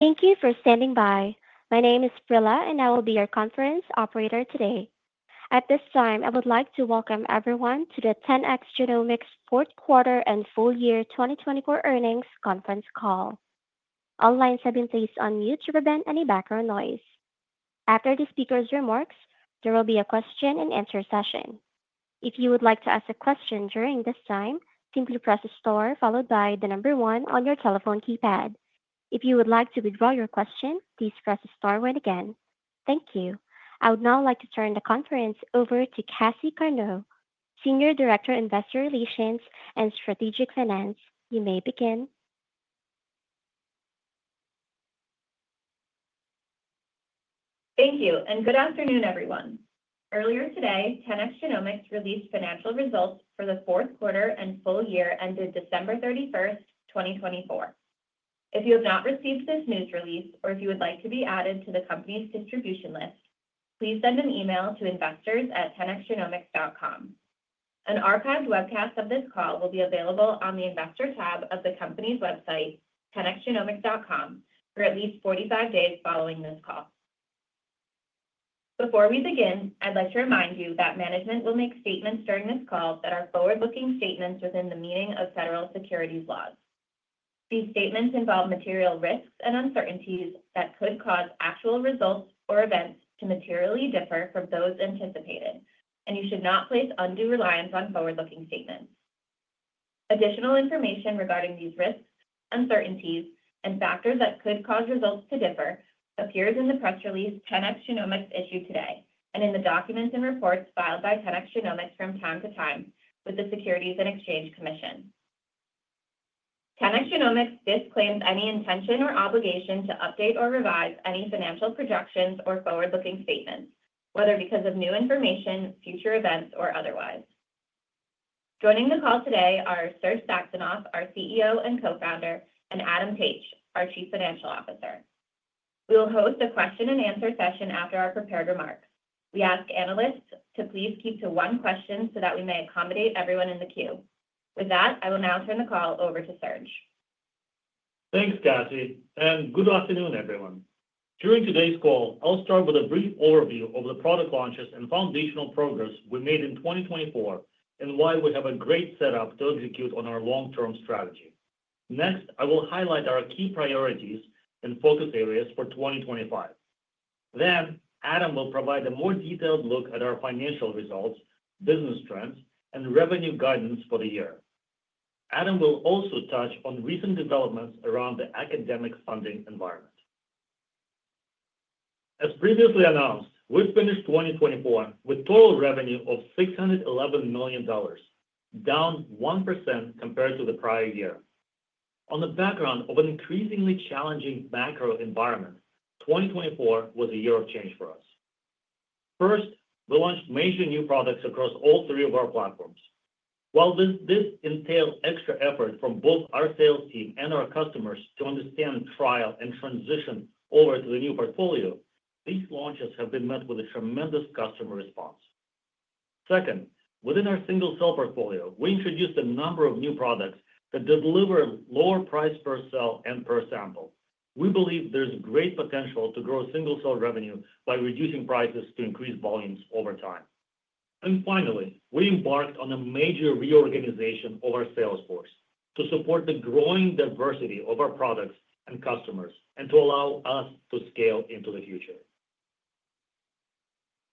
Thank you for standing by. My name is Frilla, and I will be your conference operator today. At this time, I would like to welcome everyone to the 10x Genomics Fourth Quarter and Full Year 2024 Earnings Conference Call. All lines have been placed on mute to prevent any background noise. After the speaker's remarks, there will be a question-and-answer session. If you would like to ask a question during this time, simply press the star followed by the number one on your telephone keypad. If you would like to withdraw your question, please press the star key again. Thank you. I would now like to turn the conference over to Cassie Corneau, Senior Director, Investor Relations and Strategic Finance. You may begin. Thank you, and good afternoon, everyone. Earlier today, 10x Genomics released financial results for the fourth quarter and full year ended December 31st, 2024. If you have not received this news release or if you would like to be added to the company's distribution list, please send an email to investors@10xgenomics.com. An archived webcast of this call will be available on the Investor tab of the company's website, 10xgenomics.com, for at least 45 days following this call. Before we begin, I'd like to remind you that management will make statements during this call that are forward-looking statements within the meaning of federal securities laws. These statements involve material risks and uncertainties that could cause actual results or events to materially differ from those anticipated, and you should not place undue reliance on forward-looking statements. Additional information regarding these risks, uncertainties, and factors that could cause results to differ appears in the press release 10x Genomics issued today and in the documents and reports filed by 10x Genomics from time to time with the Securities and Exchange Commission. 10x Genomics disclaims any intention or obligation to update or revise any financial projections or forward-looking statements, whether because of new information, future events, or otherwise. Joining the call today are Serge Saxonov, our CEO and Co-founder, and Adam Taich, our Chief Financial Officer. We will host a question-and-answer session after our prepared remarks. We ask analysts to please keep to one question so that we may accommodate everyone in the queue. With that, I will now turn the call over to Serge. Thanks, Cassie, and good afternoon, everyone. During today's call, I'll start with a brief overview of the product launches and foundational progress we made in 2024 and why we have a great setup to execute on our long-term strategy. Next, I will highlight our key priorities and focus areas for 2025. Then, Adam will provide a more detailed look at our financial results, business trends, and revenue guidance for the year. Adam will also touch on recent developments around the academic funding environment. As previously announced, we finished 2024 with total revenue of $611 million, down 1% compared to the prior year. On the background of an increasingly challenging macro environment, 2024 was a year of change for us. First, we launched major new products across all three of our platforms. While this entailed extra effort from both our sales team and our customers to understand, trial, and transition over to the new portfolio, these launches have been met with a tremendous customer response. Second, within our single-cell portfolio, we introduced a number of new products that deliver lower price per cell and per sample. We believe there's great potential to grow single-cell revenue by reducing prices to increase volumes over time. And finally, we embarked on a major reorganization of our sales force to support the growing diversity of our products and customers and to allow us to scale into the future.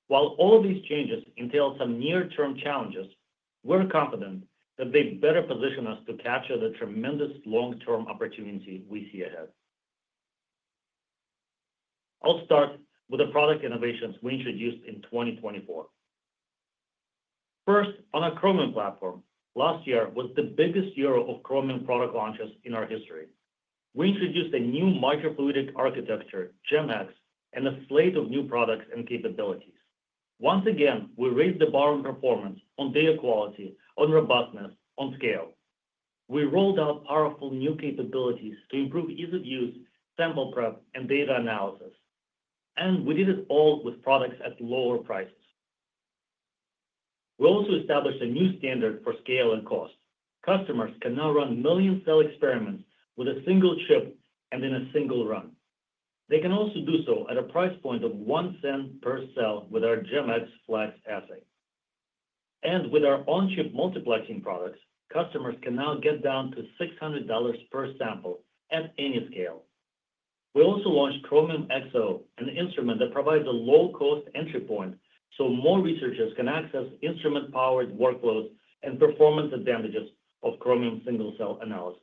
While all of these changes entail some near-term challenges, we're confident that they better position us to capture the tremendous long-term opportunity we see ahead. I'll start with the product innovations we introduced in 2024. First, on our Chromium platform, last year was the biggest year of Chromium product launches in our history. We introduced a new microfluidic architecture, GEM-X, and a slate of new products and capabilities. Once again, we raised the bar on performance, on data quality, on robustness, on scale. We rolled out powerful new capabilities to improve ease of use, sample prep, and data analysis. And we did it all with products at lower prices. We also established a new standard for scale and cost. Customers can now run million-cell experiments with a single chip and in a single run. They can also do so at a price point of $0.01 per cell with our GEM-X Flex assay. And with our on-chip multiplexing products, customers can now get down to $600 per sample at any scale. We also launched Chromium iX, an instrument that provides a low-cost entry point so more researchers can access instrument-powered workflows and performance advantages of Chromium single-cell analysis.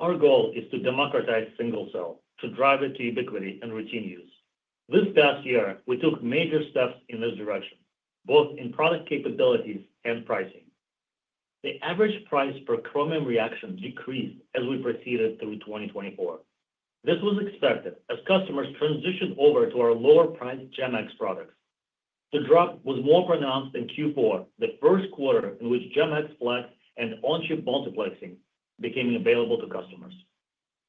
Our goal is to democratize single-cell to drive it to ubiquity and routine use. This past year, we took major steps in this direction, both in product capabilities and pricing. The average price per Chromium reaction decreased as we proceeded through 2024. This was expected as customers transitioned over to our lower-priced GEM-X products. The drop was more pronounced in Q4, the first quarter in which GEM-X Flex and on-chip multiplexing became available to customers.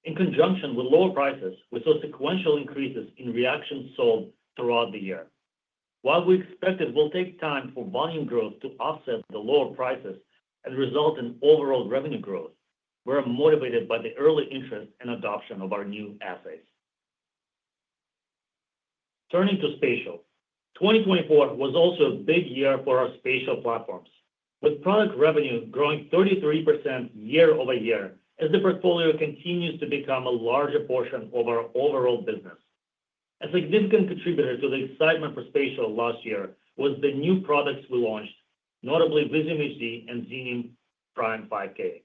In conjunction with lower prices, we saw sequential increases in reaction sold throughout the year. While we expect it will take time for volume growth to offset the lower prices and result in overall revenue growth, we're motivated by the early interest and adoption of our new assays. Turning to spatial, 2024 was also a big year for our spatial platforms, with product revenue growing 33% year-over-year as the portfolio continues to become a larger portion of our overall business. A significant contributor to the excitement for spatial last year was the new products we launched, notably Visium HD and Xenium Prime 5K.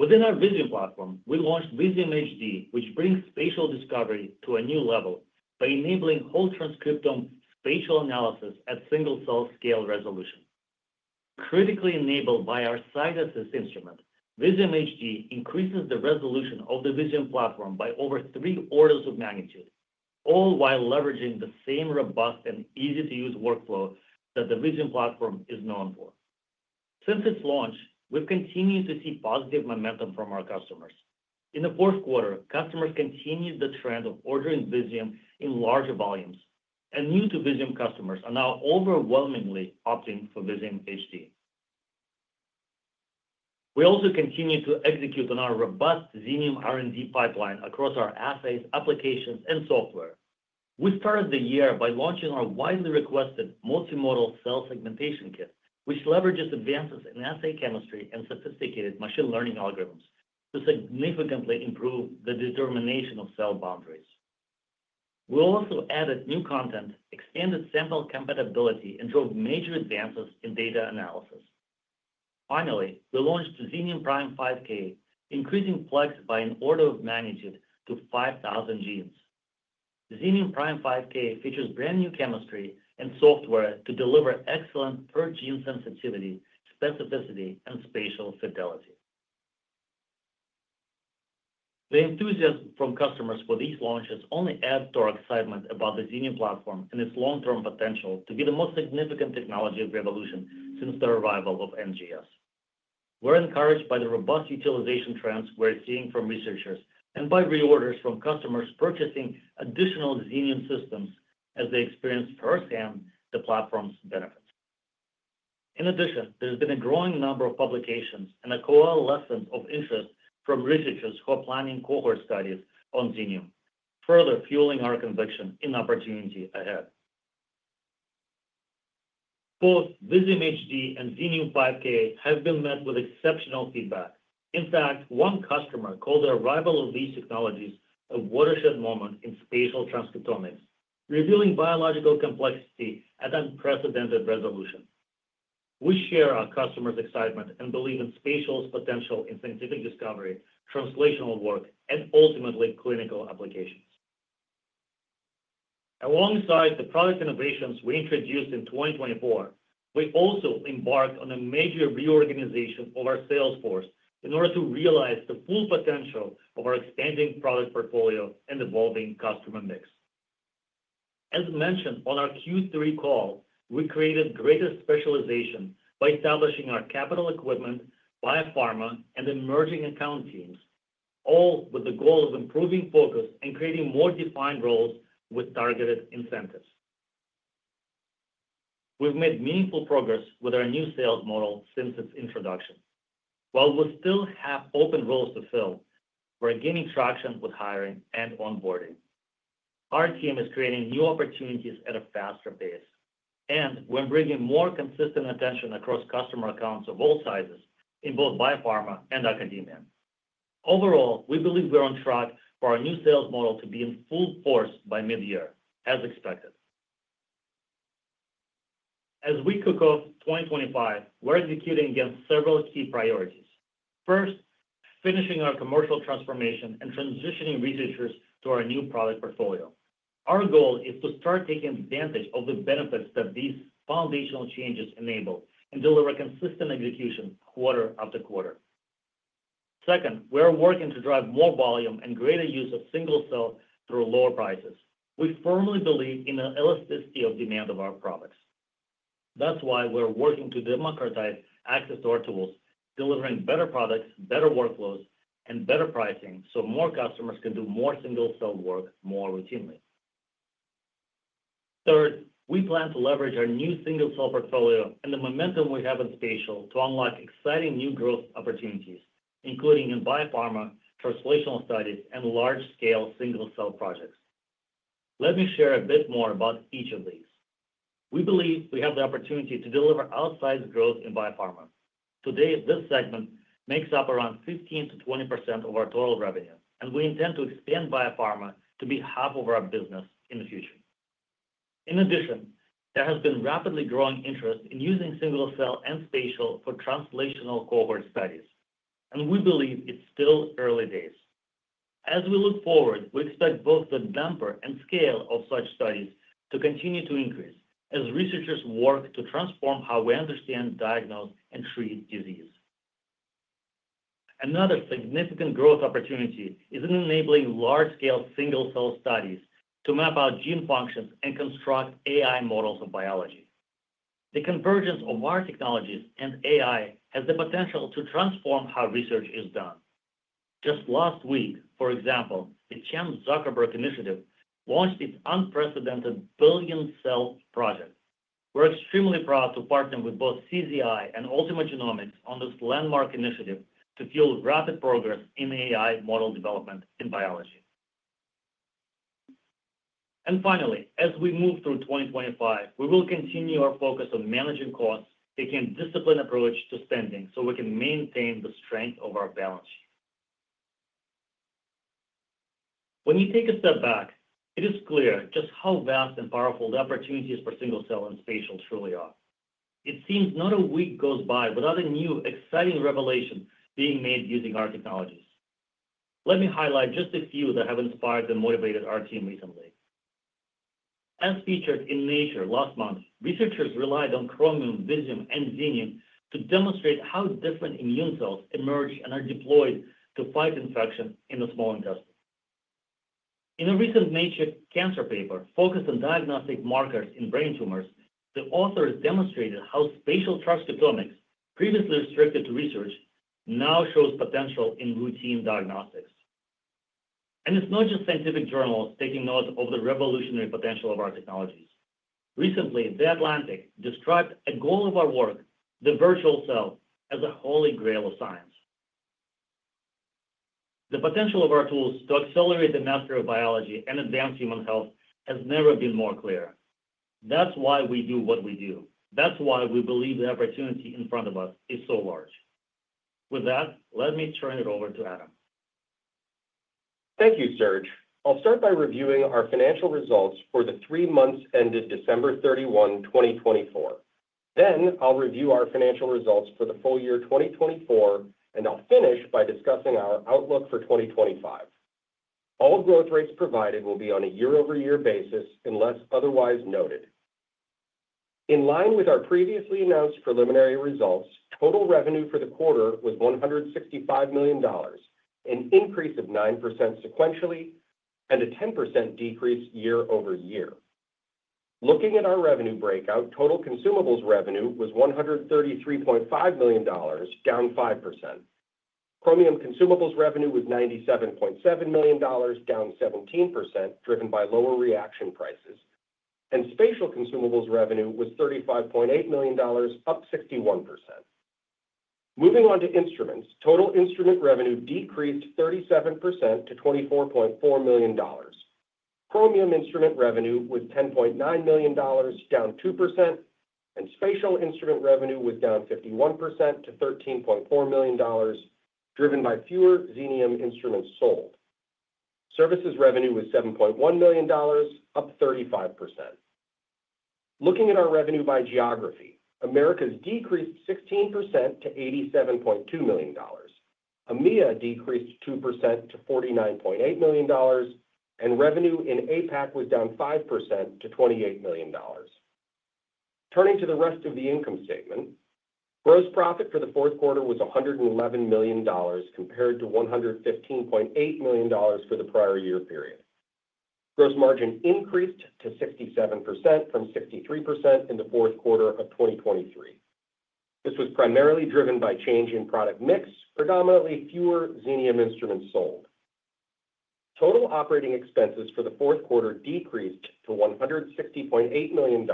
Within our Visium platform, we launched Visium HD, which brings spatial discovery to a new level by enabling whole transcriptome spatial analysis at single-cell scale resolution. Critically enabled by our CytAssist instrument, Visium HD increases the resolution of the Visium platform by over three orders of magnitude, all while leveraging the same robust and easy-to-use workflow that the Visium platform is known for. Since its launch, we've continued to see positive momentum from our customers. In the fourth quarter, customers continued the trend of ordering Visium in larger volumes, and new-to-Visium customers are now overwhelmingly opting for Visium HD. We also continue to execute on our robust Xenium R&D pipeline across our assays, applications, and software. We started the year by launching our widely requested multimodal cell segmentation kit, which leverages advances in assay chemistry and sophisticated machine learning algorithms to significantly improve the determination of cell boundaries. We also added new content, expanded sample compatibility, and drove major advances in data analysis. Finally, we launched Xenium Prime 5K, increasing plex by an order of magnitude to 5,000 genes. Xenium Prime 5K features brand-new chemistry and software to deliver excellent per-gene sensitivity, specificity, and spatial fidelity. The enthusiasm from customers for these launches only adds to our excitement about the Xenium platform and its long-term potential to be the most significant technology revolution since the arrival of NGS. We're encouraged by the robust utilization trends we're seeing from researchers and by reorders from customers purchasing additional Xenium systems as they experience firsthand the platform's benefits. In addition, there's been a growing number of publications and a coalescence of interest from researchers who are planning cohort studies on Xenium, further fueling our conviction in opportunity ahead. Both Visium HD and Xenium 5K have been met with exceptional feedback. In fact, one customer called the arrival of these technologies a watershed moment in spatial transcriptomics, revealing biological complexity at unprecedented resolution. We share our customers' excitement and believe in spatial's potential in scientific discovery, translational work, and ultimately clinical applications. Alongside the product innovations we introduced in 2024, we also embarked on a major reorganization of our sales force in order to realize the full potential of our expanding product portfolio and evolving customer mix. As mentioned on our Q3 call, we created greater specialization by establishing our capital equipment, biopharma, and emerging account teams, all with the goal of improving focus and creating more defined roles with targeted incentives. We've made meaningful progress with our new sales model since its introduction. While we still have open roles to fill, we're gaining traction with hiring and onboarding. Our team is creating new opportunities at a faster pace and when bringing more consistent attention across customer accounts of all sizes in both biopharma and academia. Overall, we believe we're on track for our new sales model to be in full force by mid-year, as expected. As we kick off 2025, we're executing against several key priorities. First, finishing our commercial transformation and transitioning researchers to our new product portfolio. Our goal is to start taking advantage of the benefits that these foundational changes enable and deliver consistent execution quarter after quarter. Second, we're working to drive more volume and greater use of single-cell through lower prices. We firmly believe in the elasticity of demand of our products. That's why we're working to democratize access to our tools, delivering better products, better workflows, and better pricing so more customers can do more single-cell work more routinely. Third, we plan to leverage our new single-cell portfolio and the momentum we have in spatial to unlock exciting new growth opportunities, including in biopharma, translational studies, and large-scale single-cell projects. Let me share a bit more about each of these. We believe we have the opportunity to deliver outsized growth in biopharma. Today, this segment makes up around 15%-20% of our total revenue, and we intend to expand biopharma to be half of our business in the future. In addition, there has been rapidly growing interest in using single-cell and spatial for translational cohort studies, and we believe it's still early days. As we look forward, we expect both the number and scale of such studies to continue to increase as researchers work to transform how we understand, diagnose, and treat disease. Another significant growth opportunity is in enabling large-scale single-cell studies to map out gene functions and construct AI models of biology. The convergence of our technologies and AI has the potential to transform how research is done. Just last week, for example, the Chan Zuckerberg Initiative launched its unprecedented billion-cell project. We're extremely proud to partner with both CZI and Ultima Genomics on this landmark initiative to fuel rapid progress in AI model development in biology. And finally, as we move through 2025, we will continue our focus on managing costs, taking a disciplined approach to spending so we can maintain the strength of our balance sheet. When you take a step back, it is clear just how vast and powerful the opportunities for single-cell and spatial truly are. It seems not a week goes by without a new exciting revelation being made using our technologies. Let me highlight just a few that have inspired and motivated our team recently. As featured in Nature last month, researchers relied on Chromium, Visium, and Xenium to demonstrate how different immune cells emerge and are deployed to fight infection in the small intestine. In a recent Nature Cancer paper focused on diagnostic markers in brain tumors, the authors demonstrated how spatial transcriptomics, previously restricted to research, now shows potential in routine diagnostics. And it's not just scientific journals taking note of the revolutionary potential of our technologies. Recently, The Atlantic described a goal of our work, the virtual cell, as a holy grail of science. The potential of our tools to accelerate the mastery of biology and advance human health has never been more clear. That's why we do what we do. That's why we believe the opportunity in front of us is so large. With that, let me turn it over to Adam. Thank you, Serge. I'll start by reviewing our financial results for the three months ended December 31, 2024. Then I'll review our financial results for the full year 2024, and I'll finish by discussing our outlook for 2025. All growth rates provided will be on a year-over-year basis unless otherwise noted. In line with our previously announced preliminary results, total revenue for the quarter was $165 million, an increase of 9% sequentially and a 10% decrease year-over-year. Looking at our revenue breakout, total consumables revenue was $133.5 million, down 5%. Chromium consumables revenue was $97.7 million, down 17%, driven by lower reaction prices. And spatial consumables revenue was $35.8 million, up 61%. Moving on to instruments, total instrument revenue decreased 37% to $24.4 million. Chromium instrument revenue was $10.9 million, down 2%, and spatial instrument revenue was down 51% to $13.4 million, driven by fewer Xenium instruments sold. Services revenue was $7.1 million, up 35%. Looking at our revenue by geography, Americas decreased 16% to $87.2 million. EMEA decreased 2% to $49.8 million, and revenue in APAC was down 5% to $28 million. Turning to the rest of the income statement, gross profit for the fourth quarter was $111 million compared to $115.8 million for the prior year period. Gross margin increased to 67% from 63% in the fourth quarter of 2023. This was primarily driven by change in product mix, predominantly fewer Xenium instruments sold. Total operating expenses for the fourth quarter decreased to $160.8 million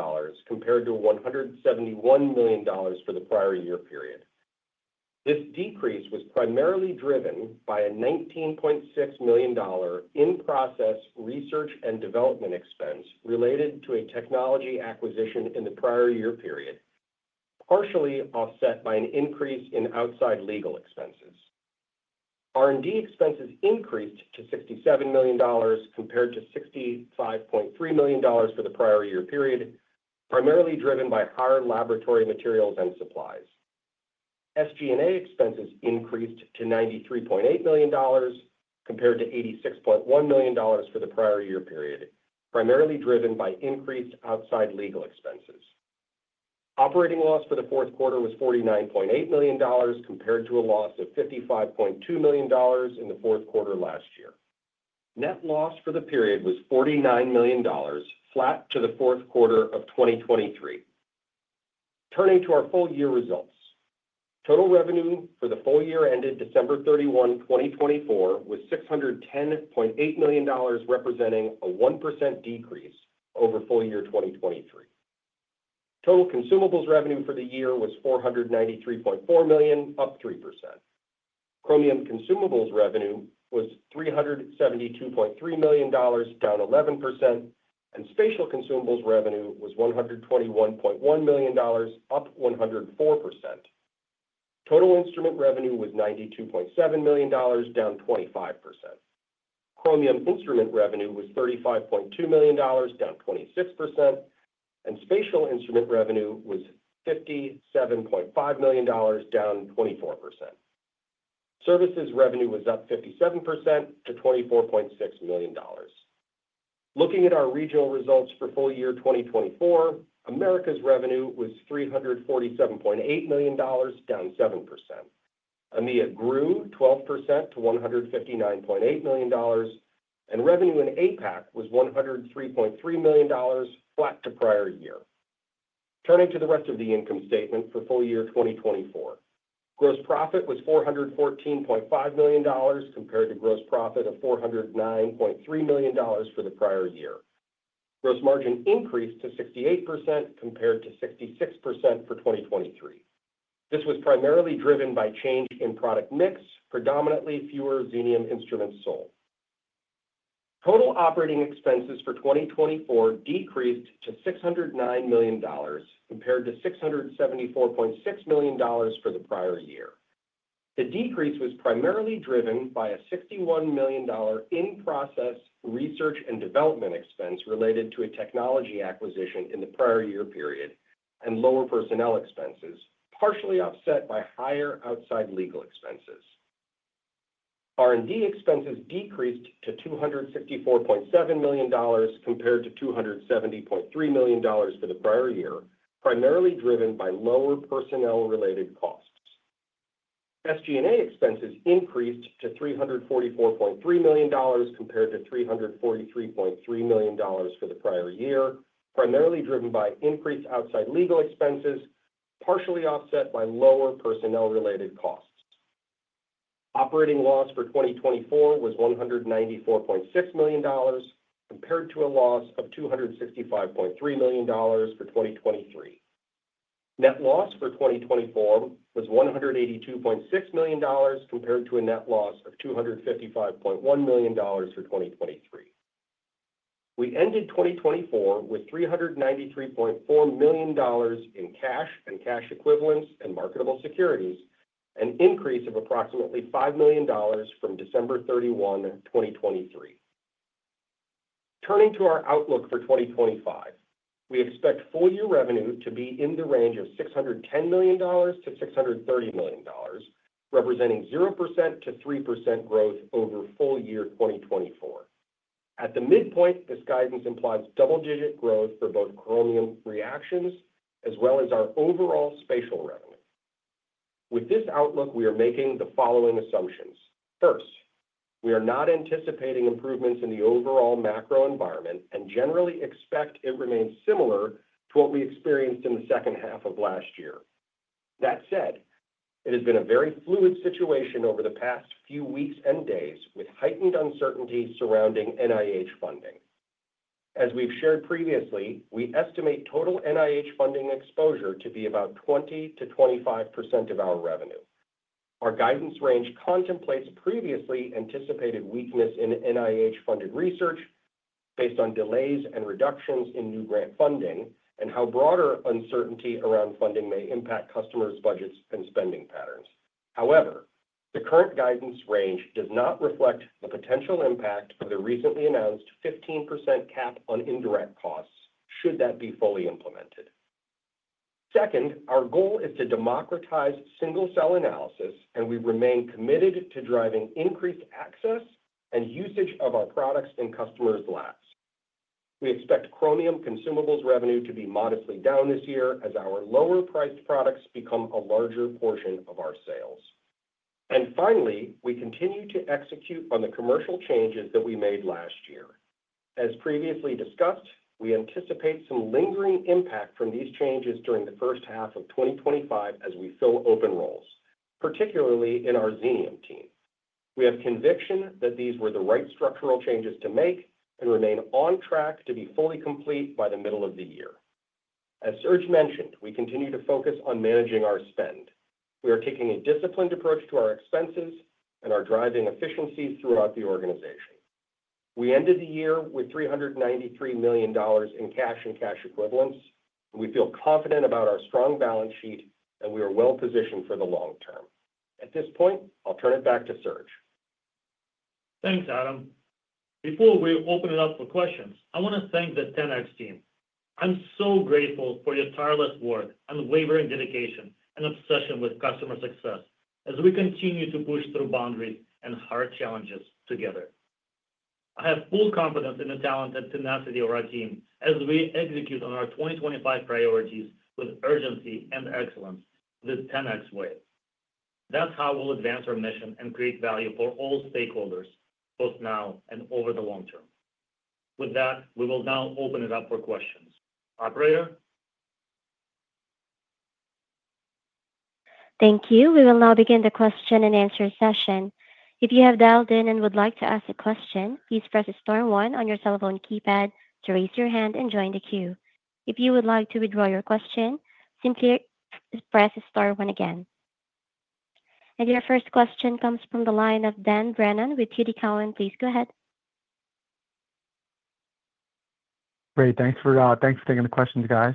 compared to $171 million for the prior year period. This decrease was primarily driven by a $19.6 million in-process research and development expense related to a technology acquisition in the prior year period, partially offset by an increase in outside legal expenses. R&D expenses increased to $67 million compared to $65.3 million for the prior year period, primarily driven by higher laboratory materials and supplies. SG&A expenses increased to $93.8 million compared to $86.1 million for the prior year period, primarily driven by increased outside legal expenses. Operating loss for the fourth quarter was $49.8 million compared to a loss of $55.2 million in the fourth quarter last year. Net loss for the period was $49 million, flat to the fourth quarter of 2023. Turning to our full year results, total revenue for the full year ended December 31, 2024, was $610.8 million, representing a 1% decrease over full year 2023. Total consumables revenue for the year was $493.4 million, up 3%. Chromium consumables revenue was $372.3 million, down 11%, and spatial consumables revenue was $121.1 million, up 104%. Total instrument revenue was $92.7 million, down 25%. Chromium instrument revenue was $35.2 million, down 26%, and spatial instrument revenue was $57.5 million, down 24%. Services revenue was up 57% to $24.6 million. Looking at our regional results for full year 2024, Americas revenue was $347.8 million, down 7%. EMEA grew 12% to $159.8 million, and revenue in APAC was $103.3 million, flat to prior year. Turning to the rest of the income statement for full year 2024, gross profit was $414.5 million compared to gross profit of $409.3 million for the prior year. Gross margin increased to 68% compared to 66% for 2023. This was primarily driven by change in product mix, predominantly fewer Xenium instruments sold. Total operating expenses for 2024 decreased to $609 million compared to $674.6 million for the prior year. The decrease was primarily driven by a $61 million in-process research and development expense related to a technology acquisition in the prior year period and lower personnel expenses, partially offset by higher outside legal expenses. R&D expenses decreased to $264.7 million compared to $270.3 million for the prior year, primarily driven by lower personnel-related costs. SG&A expenses increased to $344.3 million compared to $343.3 million for the prior year, primarily driven by increased outside legal expenses, partially offset by lower personnel-related costs. Operating loss for 2024 was $194.6 million compared to a loss of $265.3 million for 2023. Net loss for 2024 was $182.6 million compared to a net loss of $255.1 million for 2023. We ended 2024 with $393.4 million in cash and cash equivalents and marketable securities, an increase of approximately $5 million from December 31, 2023. Turning to our outlook for 2025, we expect full year revenue to be in the range of $610 million-$630 million, representing 0%-3% growth over full year 2024. At the midpoint, this guidance implies double-digit growth for both Chromium reactions as well as our overall spatial revenue. With this outlook, we are making the following assumptions. First, we are not anticipating improvements in the overall macro environment and generally expect it remains similar to what we experienced in the second half of last year. That said, it has been a very fluid situation over the past few weeks and days with heightened uncertainty surrounding NIH funding. As we've shared previously, we estimate total NIH funding exposure to be about 20%-25% of our revenue. Our guidance range contemplates previously anticipated weakness in NIH-funded research based on delays and reductions in new grant funding and how broader uncertainty around funding may impact customers' budgets and spending patterns. However, the current guidance range does not reflect the potential impact of the recently announced 15% cap on indirect costs should that be fully implemented. Second, our goal is to democratize single-cell analysis, and we remain committed to driving increased access and usage of our products in customers' labs. We expect Chromium consumables revenue to be modestly down this year as our lower-priced products become a larger portion of our sales. And finally, we continue to execute on the commercial changes that we made last year. As previously discussed, we anticipate some lingering impact from these changes during the first half of 2025 as we fill open roles, particularly in our Xenium team. We have conviction that these were the right structural changes to make and remain on track to be fully complete by the middle of the year. As Serge mentioned, we continue to focus on managing our spend. We are taking a disciplined approach to our expenses and are driving efficiencies throughout the organization. We ended the year with $393 million in cash and cash equivalents, and we feel confident about our strong balance sheet, and we are well-positioned for the long term. At this point, I'll turn it back to Serge. Thanks, Adam. Before we open it up for questions, I want to thank the 10x team. I'm so grateful for your tireless work, unwavering dedication, and obsession with customer success as we continue to push through boundaries and hard challenges together. I have full confidence in the talent and tenacity of our team as we execute on our 2025 priorities with urgency and excellence the 10x way. That's how we'll advance our mission and create value for all stakeholders, both now and over the long term. With that, we will now open it up for questions. Operator Thank you. We will now begin the question and answer session. If you have dialed in and would like to ask a question, please press star one on your cell phone keypad to raise your hand and join the queue. If you would like to withdraw your question, simply press star one again. And your first question comes from the line of Dan Brennan with TD Cowen. Please go ahead. Great. Thanks for taking the questions, guys.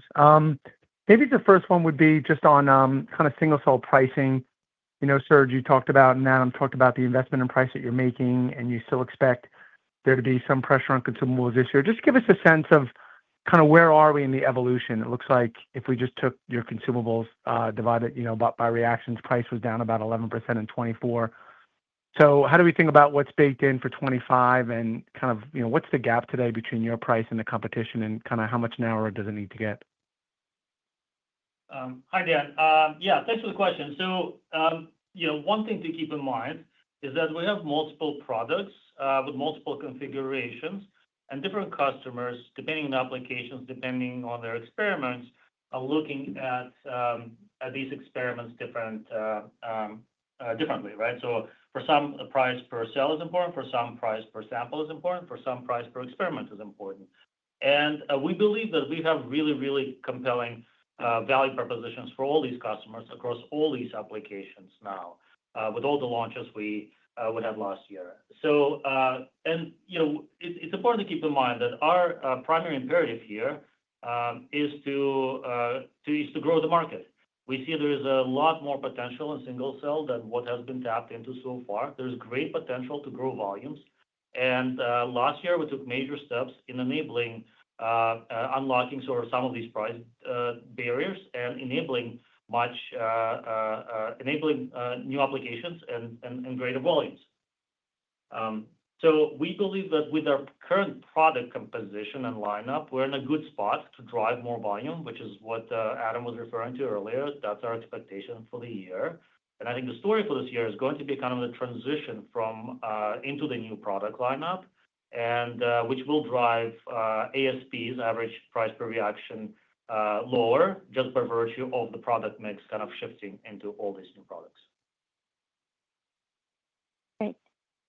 Maybe the first one would be just on kind of single-cell pricing. You know, Serge, you talked about, and Adam talked about the investment and price that you're making, and you still expect there to be some pressure on consumables this year. Just give us a sense of kind of where are we in the evolution? It looks like if we just took your consumables divided by reactions, price was down about 11% in 2024. So how do we think about what's baked in for 2025 and kind of what's the gap today between your price and the competition and kind of how much narrower does it need to get? Hi, Dan. Yeah, thanks for the question. So one thing to keep in mind is that we have multiple products with multiple configurations and different customers, depending on applications, depending on their experiments, are looking at these experiments differently, right? So for some, a price per cell is important. For some, price per sample is important. For some, price per experiment is important. And we believe that we have really, really compelling value propositions for all these customers across all these applications now with all the launches we had last year. So, It's important to keep in mind that our primary imperative here is to grow the market. We see there is a lot more potential in single-cell than what has been tapped into so far. There's great potential to grow volumes. Last year, we took major steps in enabling unlocking some of these price barriers and enabling new applications and greater volumes. So we believe that with our current product composition and lineup, we're in a good spot to drive more volume, which is what Adam was referring to earlier. That's our expectation for the year. I think the story for this year is going to be kind of the transition into the new product lineup, which will drive ASPs, average price per reaction, lower just by virtue of the product mix kind of shifting into all these new products. Great.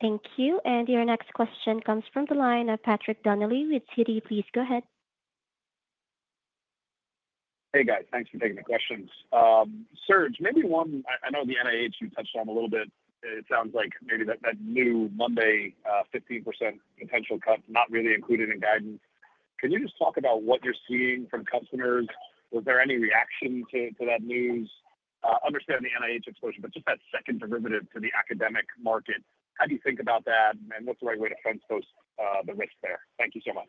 Thank you. And your next question comes from the line of Patrick Donnelly with Citi. Please go ahead. Hey, guys. Thanks for taking the questions. Serge, maybe one. I know the NIH you touched on a little bit. It sounds like maybe that new money 15% potential cut not really included in guidance. Can you just talk about what you're seeing from customers? Was there any reaction to that news? I understand the NIH exposure, but just that second derivative to the academic market. How do you think about that, and what's the right way to front-load the risk there? Thank you so much.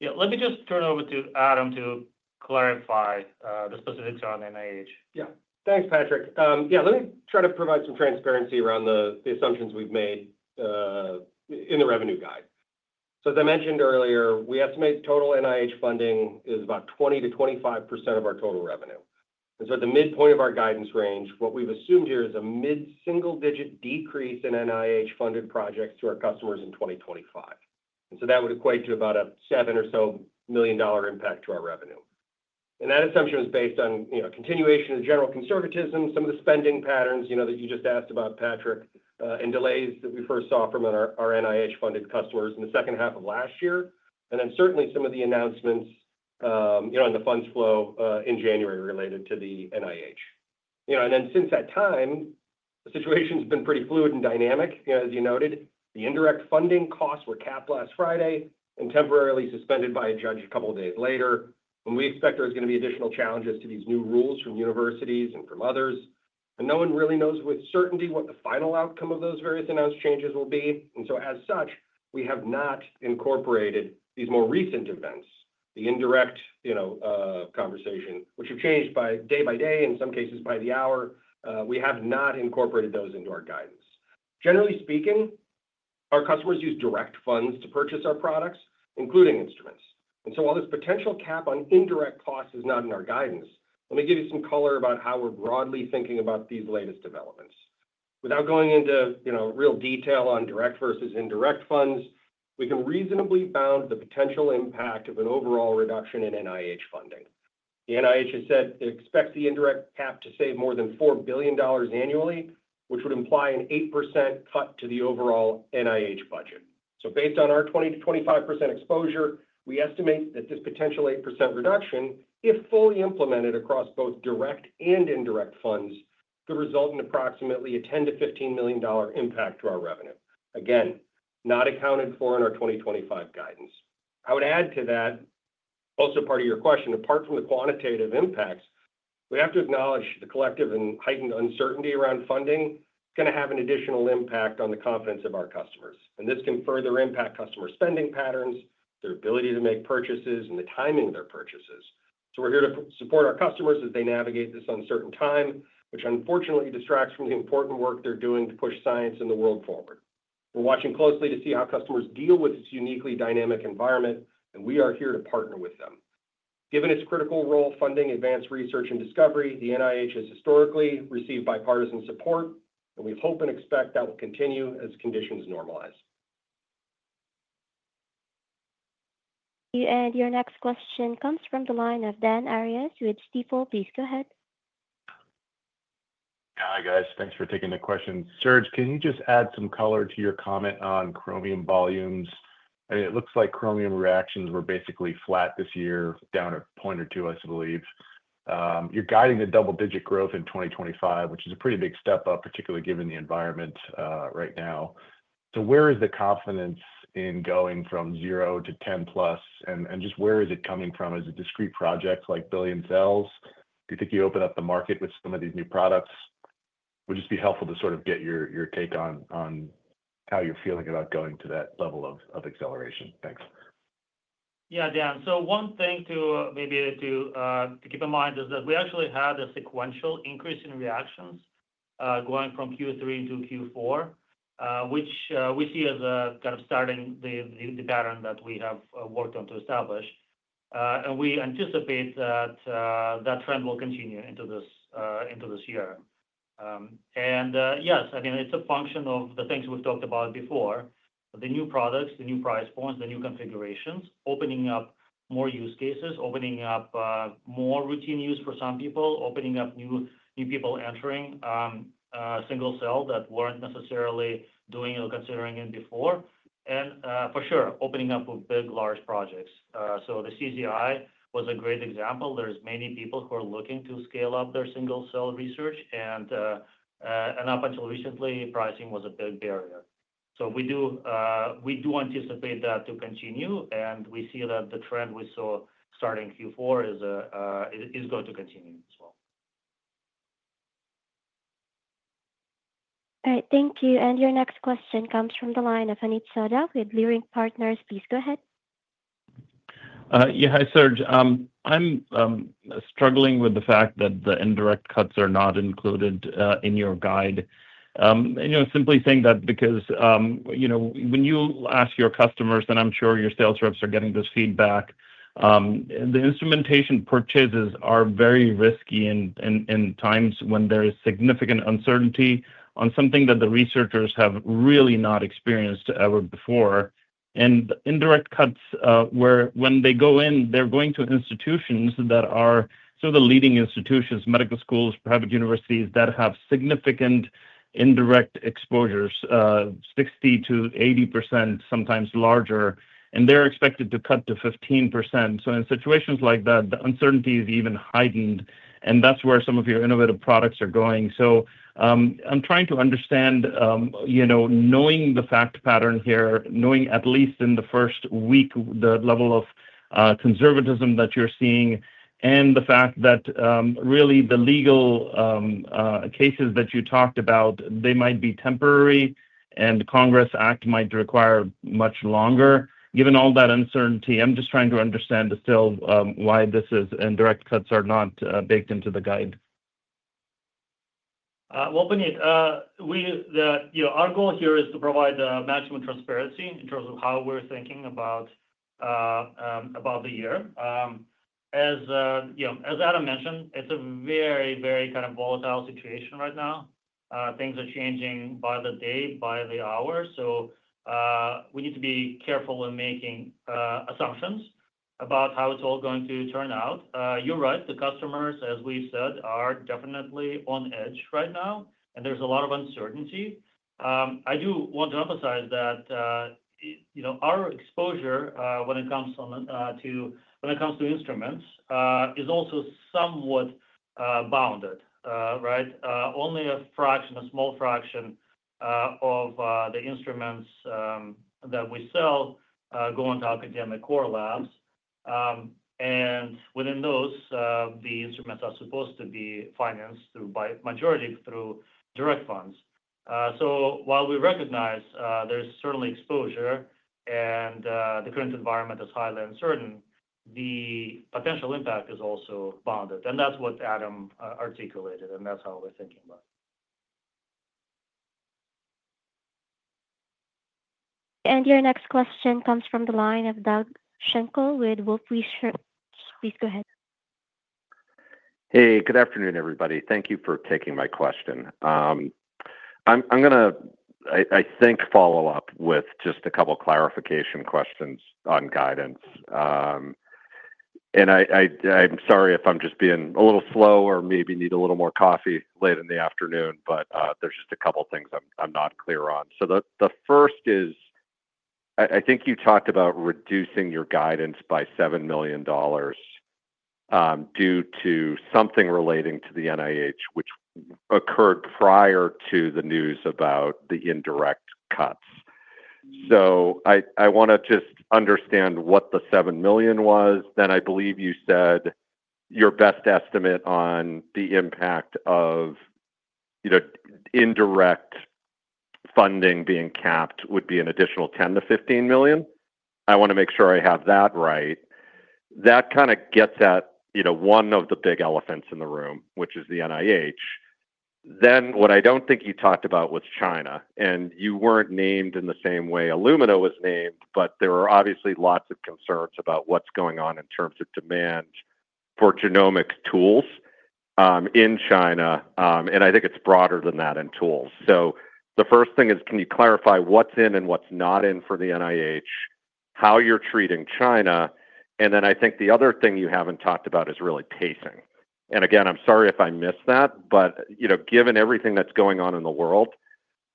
Yeah. Let me just turn over to Adam to clarify the specifics around NIH. Yeah. Thanks, Patrick. Yeah. Let me try to provide some transparency around the assumptions we've made in the revenue guidance. As I mentioned earlier, we estimate total NIH funding is about 20%-25% of our total revenue. At the midpoint of our guidance range, what we've assumed here is a mid-single-digit decrease in NIH-funded projects to our customers in 2025. That would equate to about a $7 million or so impact to our revenue. That assumption was based on continuation of general conservatism, some of the spending patterns that you just asked about, Patrick, and delays that we first saw from our NIH-funded customers in the second half of last year, and then certainly some of the announcements in the funds flow in January related to the NIH. Since that time, the situation has been pretty fluid and dynamic. As you noted, the indirect funding costs were capped last Friday and temporarily suspended by a judge a couple of days later. We expect there's going to be additional challenges to these new rules from universities and from others. No one really knows with certainty what the final outcome of those various announced changes will be. So as such, we have not incorporated these more recent events, the indirect cost conversation, which have changed day by day, in some cases by the hour. We have not incorporated those into our guidance. Generally speaking, our customers use direct funds to purchase our products, including instruments. So while this potential cap on indirect costs is not in our guidance, let me give you some color about how we're broadly thinking about these latest developments. Without going into real detail on direct versus indirect funds, we can reasonably bound the potential impact of an overall reduction in NIH funding. The NIH has said it expects the indirect cap to save more than $4 billion annually, which would imply an 8% cut to the overall NIH budget. Based on our 20%-25% exposure, we estimate that this potential 8% reduction, if fully implemented across both direct and indirect funds, could result in approximately a $10 million-$15 million impact to our revenue. Again, not accounted for in our 2025 guidance. I would add to that, also part of your question, apart from the quantitative impacts, we have to acknowledge the collective and heightened uncertainty around funding is going to have an additional impact on the confidence of our customers, and this can further impact customer spending patterns, their ability to make purchases, and the timing of their purchases. So we're here to support our customers as they navigate this uncertain time, which unfortunately distracts from the important work they're doing to push science and the world forward. We're watching closely to see how customers deal with this uniquely dynamic environment, and we are here to partner with them. Given its critical role funding advanced research and discovery, the NIH has historically received bipartisan support, and we hope and expect that will continue as conditions normalize. And your next question comes from the line of Dan Arias with Stifel. Please go ahead. Hi, guys. Thanks for taking the questions. Serge, can you just add some color to your comment on Chromium volumes? It looks like Chromium reactions were basically flat this year, down a point or two, I believe. You're guiding the double-digit growth in 2025, which is a pretty big step up, particularly given the environment right now. So where is the confidence in going from 0 to 10-plus? And just where is it coming from? Is it discrete projects like billion cells? Do you think you open up the market with some of these new products? Would just be helpful to sort of get your take on how you're feeling about going to that level of acceleration. Thanks. Yeah, Dan. So one thing to maybe keep in mind is that we actually had a sequential increase in reactions going from Q3 into Q4, which we see as kind of starting the pattern that we have worked on to establish, and we anticipate that that trend will continue into this year. And yes, I mean, it's a function of the things we've talked about before: the new products, the new price points, the new configurations, opening up more use cases, opening up more routine use for some people, opening up new people entering single-cell that weren't necessarily doing or considering it before. And for sure, opening up with big, large projects. So the CZI was a great example. There are many people who are looking to scale up their single-cell research. And up until recently, pricing was a big barrier. So we do anticipate that to continue, and we see that the trend we saw starting Q4 is going to continue as well. All right. Thank you. And your next question comes from the line of Puneet Souda with Leerink Partners. Please go ahead. Yeah. Hi, Serge. I'm struggling with the fact that the indirect cuts are not included in your guide. Simply saying that because when you ask your customers, and I'm sure your sales reps are getting this feedback, the instrumentation purchases are very risky in times when there is significant uncertainty on something that the researchers have really not experienced ever before. And indirect cuts, when they go in, they're going to institutions that are sort of the leading institutions: medical schools, private universities that have significant indirect exposures, 60%-80%, sometimes larger. And they're expected to cut to 15%. So in situations like that, the uncertainty is even heightened. And that's where some of your innovative products are going. So I'm trying to understand, knowing the fact pattern here, knowing at least in the first week the level of conservatism that you're seeing, and the fact that really the legal cases that you talked about, they might be temporary, and the Congress Act might require much longer. Given all that uncertainty, I'm just trying to understand still why this is and direct cuts are not baked into the guide? Well, Puneet, our goal here is to provide maximum transparency in terms of how we're thinking about the year. As Adam mentioned, it's a very, very kind of volatile situation right now. Things are changing by the day, by the hour. So we need to be careful in making assumptions about how it's all going to turn out. You're right. The customers, as we've said, are definitely on edge right now, and there's a lot of uncertainty. I do want to emphasize that our exposure when it comes to instruments is also somewhat bounded, right? Only a fraction, a small fraction of the instruments that we sell go into academic core labs. And within those, the instruments are supposed to be financed by the majority through direct funds. So while we recognize there's certainly exposure and the current environment is highly uncertain, the potential impact is also bounded. And that's what Adam articulated, and that's how we're thinking about it. And your next question comes from the line of Doug Schenkel with Wolfe Research. Please go ahead. Hey, good afternoon, everybody. Thank you for taking my question. I'm going to, I think, follow up with just a couple of clarification questions on guidance. I'm sorry if I'm just being a little slow or maybe need a little more coffee late in the afternoon, but there's just a couple of things I'm not clear on. So the first is, I think you talked about reducing your guidance by $7 million due to something relating to the NIH, which occurred prior to the news about the indirect cuts. So I want to just understand what the $7 million was. Then I believe you said your best estimate on the impact of indirect funding being capped would be an additional $10 million-$15 million. I want to make sure I have that right. That kind of gets at one of the big elephants in the room, which is the NIH. Then what I don't think you talked about was China. You weren't named in the same way Illumina was named, but there are obviously lots of concerns about what's going on in terms of demand for genomic tools in China. I think it's broader than that in tools. The first thing is, can you clarify what's in and what's not in for the NIH, how you're treating China? Then I think the other thing you haven't talked about is really pacing. Again, I'm sorry if I missed that, but given everything that's going on in the world,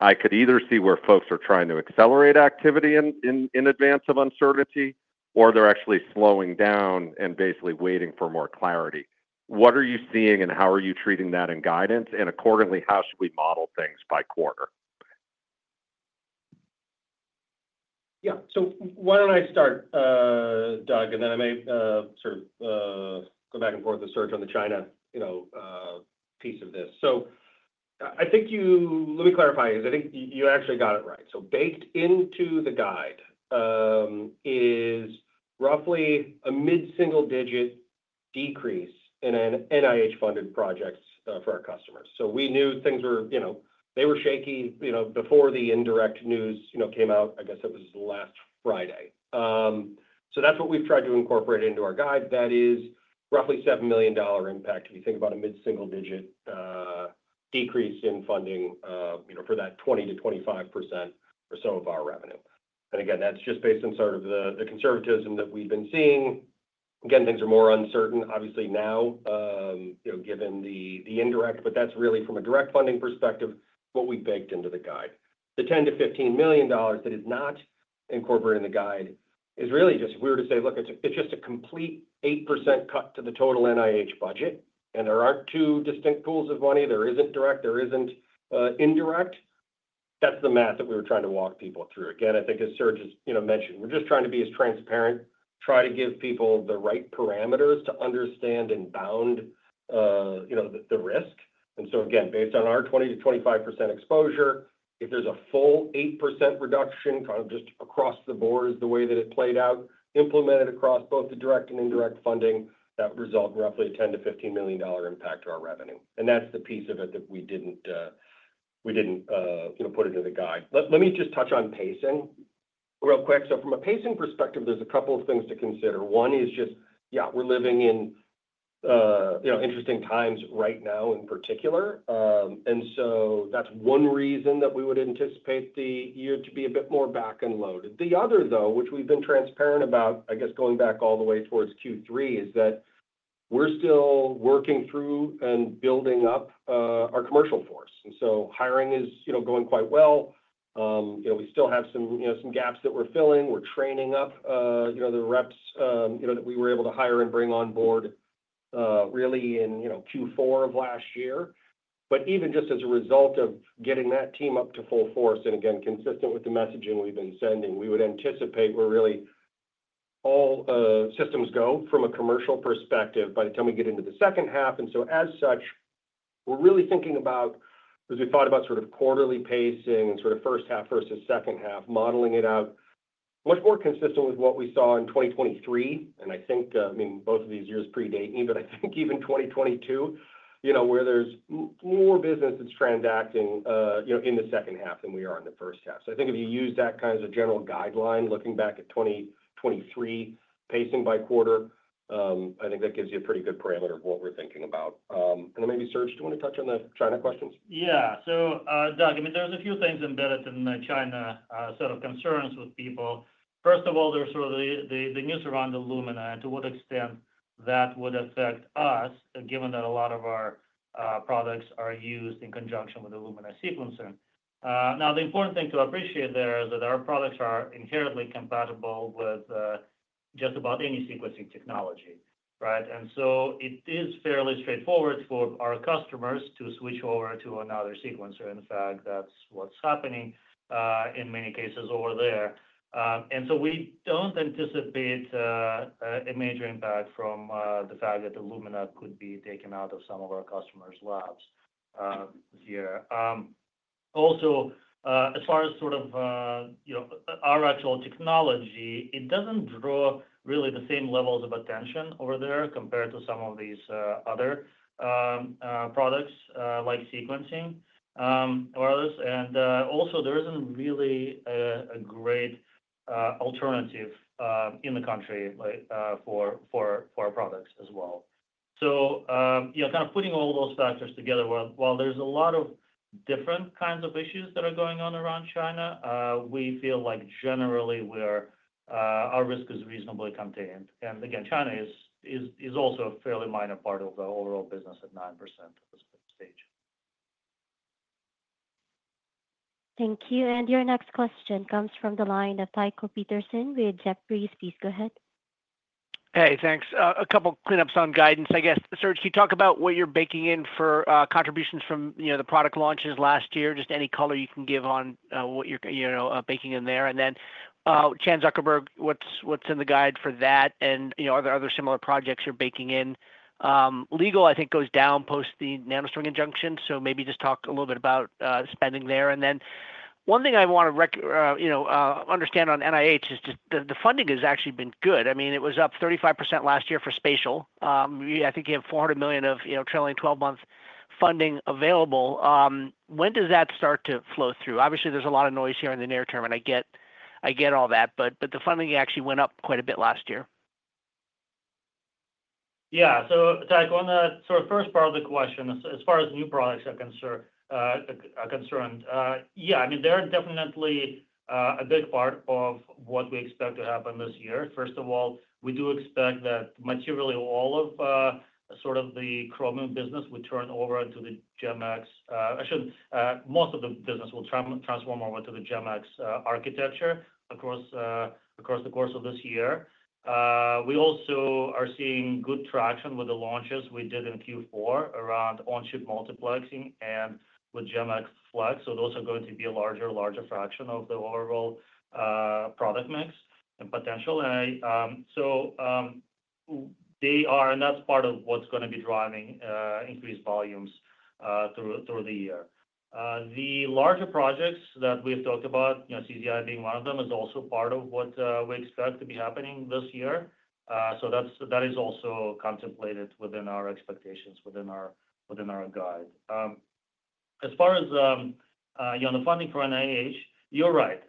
I could either see where folks are trying to accelerate activity in advance of uncertainty, or they're actually slowing down and basically waiting for more clarity. What are you seeing, and how are you treating that in guidance? Accordingly, how should we model things by quarter? Yeah. Why don't I start, Doug, and then I may sort of go back and forth with Serge on the China piece of this. I think you let me clarify because I think you actually got it right. Baked into the guide is roughly a mid-single-digit decrease in NIH-funded projects for our customers. We knew things were shaky before the indirect news came out. I guess it was last Friday. That's what we've tried to incorporate into our guide. That is roughly $7 million impact if you think about a mid-single-digit decrease in funding for that 20%-25% or so of our revenue. Again, that's just based on sort of the conservatism that we've been seeing. Things are more uncertain, obviously, now given the indirect. But that's really from a direct funding perspective, what we baked into the guide. The $10 million-$15 million that is not incorporated in the guide is really just if we were to say, "Look, it's just a complete 8% cut to the total NIH budget, and there aren't two distinct pools of money. There isn't direct. There isn't indirect." That's the math that we were trying to walk people through. Again, I think, as Serge mentioned, we're just trying to be as transparent, try to give people the right parameters to understand and bound the risk. And so again, based on our 20%-25% exposure, if there's a full 8% reduction kind of just across the board is the way that it played out, implemented across both the direct and indirect funding, that would result in roughly a $10 million-$15 million impact to our revenue. And that's the piece of it that we didn't put into the guide. Let me just touch on pacing real quick. So from a pacing perspective, there's a couple of things to consider. One is just, yeah, we're living in interesting times right now in particular. And so that's one reason that we would anticipate the year to be a bit more back-loaded. The other, though, which we've been transparent about, I guess going back all the way towards Q3, is that we're still working through and building up our commercial force. And so hiring is going quite well. We still have some gaps that we're filling. We're training up the reps that we were able to hire and bring on board really in Q4 of last year. But even just as a result of getting that team up to full force, and again, consistent with the messaging we've been sending, we would anticipate we're really all systems go from a commercial perspective by the time we get into the second half. And so as such, we're really thinking about, as we thought about sort of quarterly pacing and sort of first half versus second half, modeling it out much more consistent with what we saw in 2023. And I think, I mean, both of these years predate me, but I think even 2022, where there's more business that's transacting in the second half than we are in the first half. So I think if you use that kind of general guideline, looking back at 2023, pacing by quarter, I think that gives you a pretty good parameter of what we're thinking about. And then maybe, Serge, do you want to touch on the China questions? Yeah. So Doug, I mean, there's a few things embedded in the China set of concerns with people. First of all, there's sort of the news around Illumina and to what extent that would affect us, given that a lot of our products are used in conjunction with Illumina sequencing. Now, the important thing to appreciate there is that our products are inherently compatible with just about any sequencing technology, right? And so it is fairly straightforward for our customers to switch over to another sequencer. In fact, that's what's happening in many cases over there. And so we don't anticipate a major impact from the fact that Illumina could be taken out of some of our customers' labs here. Also, as far as sort of our actual technology, it doesn't draw really the same levels of attention over there compared to some of these other products like sequencing or others. And also, there isn't really a great alternative in the country for our products as well. So kind of putting all those factors together, while there's a lot of different kinds of issues that are going on around China, we feel like generally our risk is reasonably contained. And again, China is also a fairly minor part of the overall business at 9% at this stage. Thank you. And your next question comes from the line of Tycho Peterson with Jefferies. Please go ahead. Hey, thanks. A couple of cleanups on guidance. I guess, Serge, can you talk about what you're baking in for contributions from the product launches last year? Just any color you can give on what you're baking in there. And then Chan Zuckerberg, what's in the guide for that? And are there other similar projects you're baking in? Legal, I think, goes down post the NanoString injunction. So maybe just talk a little bit about spending there. And then one thing I want to understand on NIH is just the funding has actually been good. I mean, it was up 35% last year for spatial. I think you have $400 million of trailing 12-months funding available. When does that start to flow through? Obviously, there's a lot of noise here in the near term, and I get all that. But the funding actually went up quite a bit last year. Yeah. So, Tycho, on the sort of first part of the question, as far as new products are concerned, yeah, I mean, they're definitely a big part of what we expect to happen this year. First of all, we do expect that materially all of sort of the Chromium business will turn over into the GEM-X. I should note most of the business will transform over to the GEM-X architecture across the course of this year. We also are seeing good traction with the launches we did in Q4 around on-chip multiplexing and with GEM-X Flex. So those are going to be a larger and larger fraction of the overall product mix and potential. And so they are, and that's part of what's going to be driving increased volumes through the year. The larger projects that we've talked about, CZI being one of them, is also part of what we expect to be happening this year. So that is also contemplated within our expectations within our guide. As far as the funding for NIH, you're right.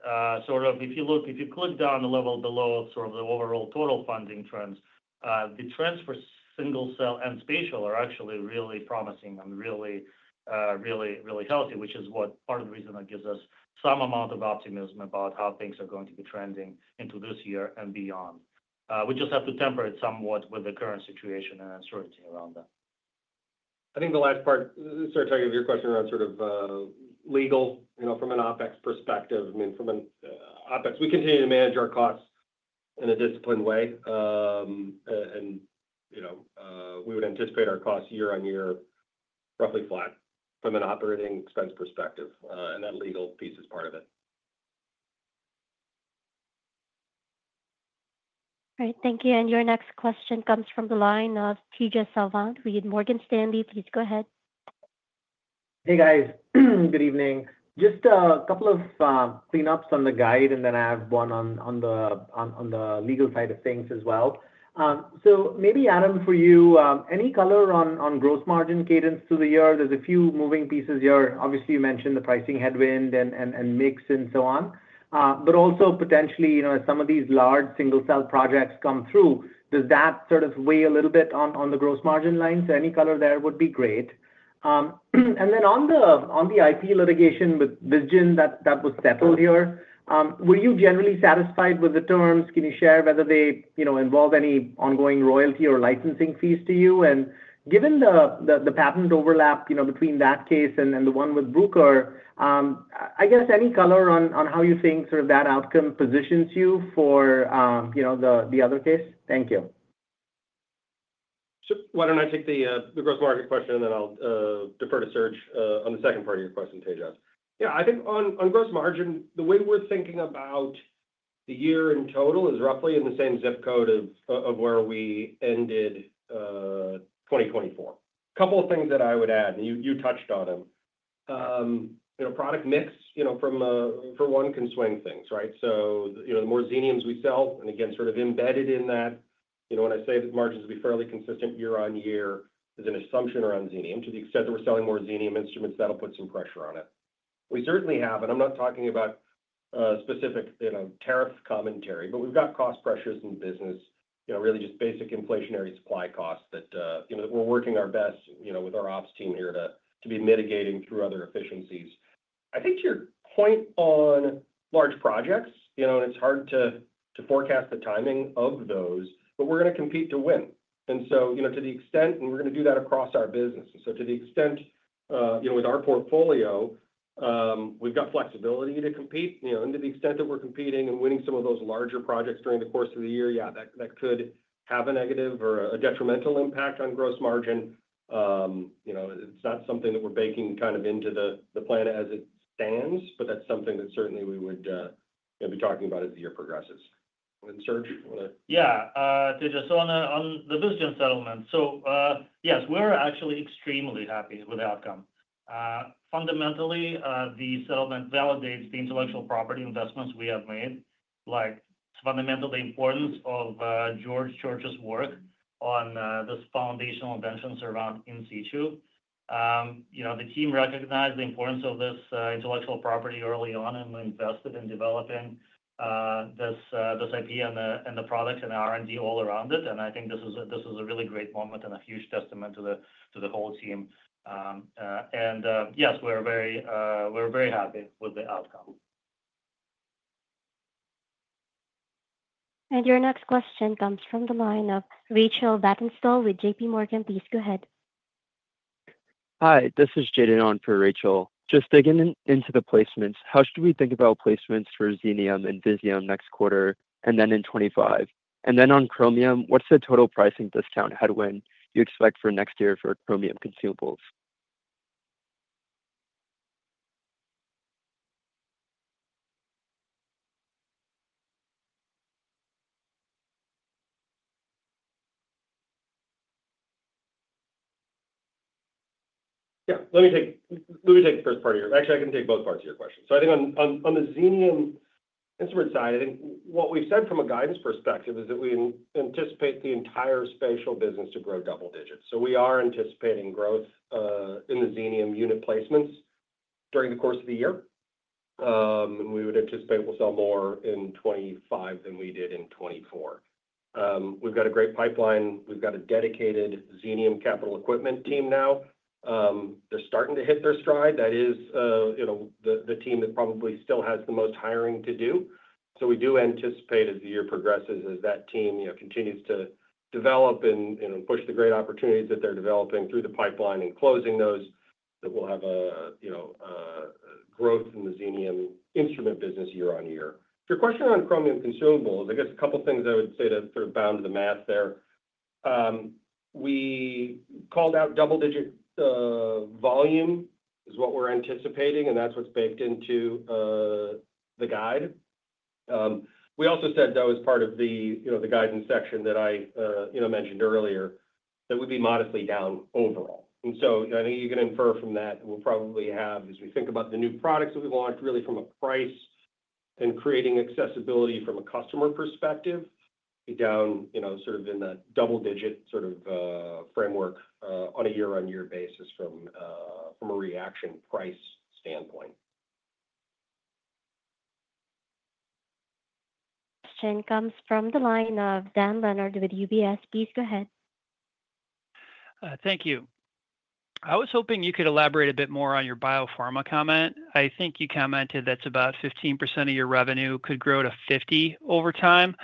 Sort of if you look, if you click down the level below sort of the overall total funding trends, the trends for single-cell and spatial are actually really promising and really, really healthy, which is part of the reason that gives us some amount of optimism about how things are going to be trending into this year and beyond. We just have to temper it somewhat with the current situation and uncertainty around that. I think the last part, Serge, I have your question around sort of legal from an OpEx perspective. I mean, from an OpEx, we continue to manage our costs in a disciplined way. And we would anticipate our costs year on year roughly flat from an operating expense perspective. And that legal piece is part of it. All right. Thank you. And your next question comes from the line of Tejas Savant with Morgan Stanley. Please go ahead. Hey, guys. Good evening. Just a couple of cleanups on the guide, and then I have one on the legal side of things as well. So maybe, Adam, for you, any color on gross margin cadence through the year? There's a few moving pieces here. Obviously, you mentioned the pricing headwind and mix and so on. But also potentially, as some of these large single-cell projects come through, does that sort of weigh a little bit on the gross margin lines? Any color there would be great. And then, on the IP litigation with Vizgen that was settled here, were you generally satisfied with the terms? Can you share whether they involve any ongoing royalty or licensing fees to you? Given the patent overlap between that case and the one with Bruker, I guess any color on how you think sort of that outcome positions you for the other case? Thank you. Why don't I take the gross margin question, and then I'll defer to Serge on the second part of your question, Tejas? Yeah. I think on gross margin, the way we're thinking about the year in total is roughly in the same zip code of where we ended 2024. A couple of things that I would add, and you touched on them. Product mix from one can swing things, right? So the more Xeniums we sell, and again, sort of embedded in that, when I say that margins will be fairly consistent year on year, there's an assumption around Xenium. To the extent that we're selling more Xenium instruments, that'll put some pressure on it. We certainly have, and I'm not talking about specific tariff commentary, but we've got cost pressures in business, really just basic inflationary supply costs that we're working our best with our ops team here to be mitigating through other efficiencies. I think to your point on large projects, and it's hard to forecast the timing of those, but we're going to compete to win. And so to the extent, and we're going to do that across our business. And so to the extent, with our portfolio, we've got flexibility to compete. To the extent that we're competing and winning some of those larger projects during the course of the year, yeah, that could have a negative or a detrimental impact on gross margin. It's not something that we're baking kind of into the plan as it stands, but that's something that certainly we would be talking about as the year progresses. Serge, you want to? Yeah. So on the Vizgen settlement. So yes, we're actually extremely happy with the outcome. Fundamentally, the settlement validates the intellectual property investments we have made, like fundamentally the importance of George Church's work on this foundational ventures around in situ. The team recognized the importance of this intellectual property early on and invested in developing this IP and the products and the R&D all around it. And I think this is a really great moment and a huge testament to the whole team. And yes, we're very happy with the outcome. And your next question comes from the line of Rachel Vatnsdal with JPMorgan. Please go ahead. Hi. This is Jaden O'Neal for Rachel. Just digging into the placements, how should we think about placements for Xenium and Visium next quarter and then in 2025? And then on Chromium, what's the total pricing discount headwind you expect for next year for Chromium consumables? Yeah. Let me take the first part of your, actually, I can take both parts of your question. So I think on the Xenium instrument side, I think what we've said from a guidance perspective is that we anticipate the entire spatial business to grow double digits. So we are anticipating growth in the Xenium unit placements during the course of the year. We would anticipate we'll sell more in 2025 than we did in 2024. We've got a great pipeline. We've got a dedicated Xenium capital equipment team now. They're starting to hit their stride. That is the team that probably still has the most hiring to do. We do anticipate as the year progresses, as that team continues to develop and push the great opportunities that they're developing through the pipeline and closing those, that we'll have a growth in the Xenium instrument business year on year. Your question on Chromium consumables, I guess a couple of things I would say to sort of bound the math there. We called out double-digit volume is what we're anticipating, and that's what's baked into the guide. We also said, though, as part of the guidance section that I mentioned earlier, that we'd be modestly down overall. And so I think you can infer from that we'll probably have, as we think about the new products that we've launched, really from a price and creating accessibility from a customer perspective, be down sort of in that double-digit sort of framework on a year-on-year basis from a reagent price standpoint. Question comes from the line of Dan Leonard with UBS. Please go ahead. Thank you. I was hoping you could elaborate a bit more on your biopharma comment. I think you commented that's about 15% of your revenue could grow to 50% over time.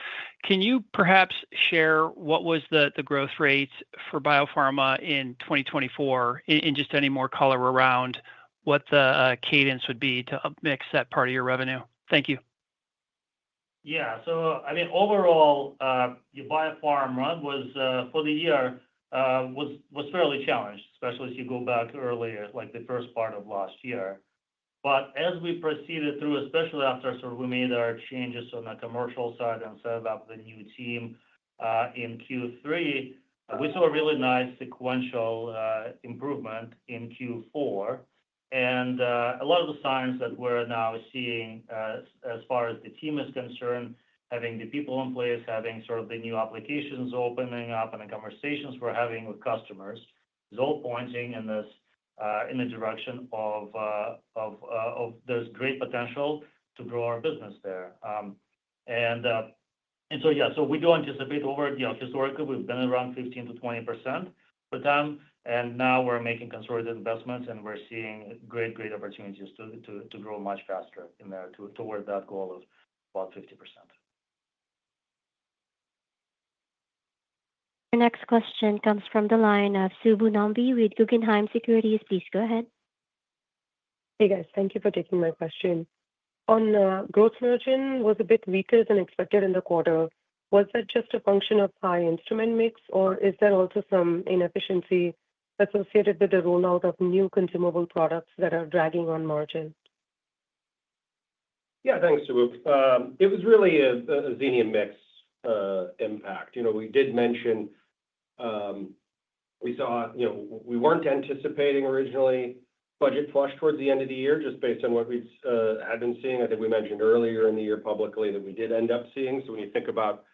Can you perhaps share what was the growth rates for biopharma in 2024, and just any more color around what the cadence would be to upmix that part of your revenue? Thank you. Yeah. So I mean, overall, your biopharma run for the year was fairly challenged, especially as you go back earlier, like the first part of last year. But as we proceeded through, especially after we made our changes on the commercial side and set up the new team in Q3, we saw a really nice sequential improvement in Q4. And a lot of the signs that we're now seeing as far as the team is concerned, having the people in place, having sort of the new applications opening up, and the conversations we're having with customers, is all pointing in the direction of there's great potential to grow our business there. And so yeah, so we do anticipate over historically, we've been around 15%-20% per time. And now we're making concerted investments, and we're seeing great, great opportunities to grow much faster in there toward that goal of about 50%. Your next question comes from the line of Subbu Nambi with Guggenheim Securities. Please go ahead. Hey, guys. Thank you for taking my question. On growth margin, it was a bit weaker than expected in the quarter. Was that just a function of high instrument mix, or is there also some inefficiency associated with the rollout of new consumable products that are dragging on margin? Yeah. Thanks, Subbu. It was really a Xenium mix impact. We did mention we saw we weren't anticipating originally budget flush towards the end of the year just based on what we had been seeing. I think we mentioned earlier in the year publicly that we did end up seeing. So when you think about